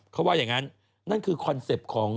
เขาว่าอย่างนั้นนั่นคือคอนเซ็ปต์ของ